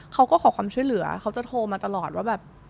เขาก็ขอความช่วยเหลือเขาจะโทรมาตลอดว่าแบบ